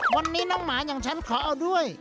วันนี้น้องหมาอย่างฉันขอเอาด้วย